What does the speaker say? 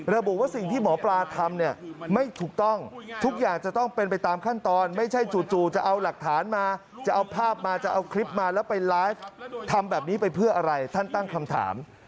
ระบุว่าสิ่งที่หมอปลาทำเนี่ยไม่ถูกต้องทุกอย่างจะต้องเป็นไปตามขั้นตอนไม่ใช่จู่จะเอาหลักฐานมาจะเอาภาพมาจะเอาคลิปมาแล้วไปไลฟ์ทำแบบนี้ไปเพื่ออะไรท่านตั้งคำถาม